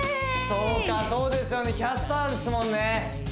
そうかそうですよねキャスターですもんね